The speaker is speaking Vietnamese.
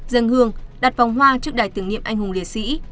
dân hương đặt vòng hoa trước đài tưởng niệm anh hùng liệt sĩ